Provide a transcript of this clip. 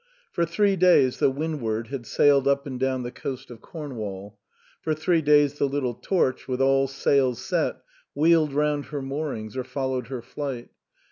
For three days the Windward had sailed up and down the coast of Cornwall ; for three days the little Torch, with all sails set, wheeled round her moorings or followed her flight.